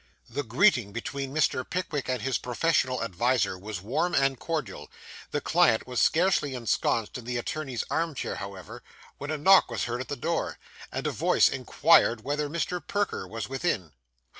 The greeting between Mr. Pickwick and his professional adviser was warm and cordial; the client was scarcely ensconced in the attorney's arm chair, however, when a knock was heard at the door, and a voice inquired whether Mr. Perker was within.